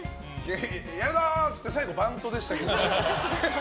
やるぞ！って言って最後、バントでしたけど。